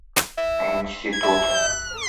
Аинститут…